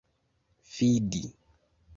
fidi